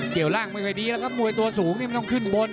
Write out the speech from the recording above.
เกี่ยวร่างไม่ค่อยดีแล้วครับมวยตัวสูงนี่มันต้องขึ้นบน